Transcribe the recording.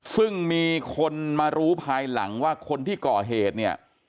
ซึ่งมีคนมารู้ภายหลังว่าคนที่ก่อเหตุเนี่ย